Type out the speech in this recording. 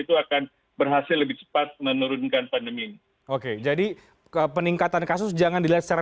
itu akan berhasil lebih cepat menurunkan pandemi oke jadi peningkatan kasus jangan dilihat secara